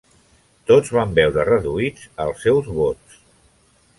Tots van veure reduïts els seus vots.